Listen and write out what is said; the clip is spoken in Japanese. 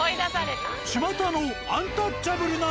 ちまたの。